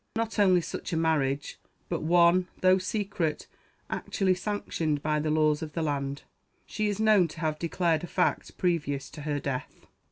Not only such a marriage, but one, though secret, actually sanctioned by the laws of the land, she is known to have declared a fact previous to her death.